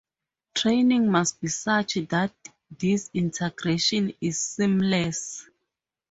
Training must be such that this integration is seamless.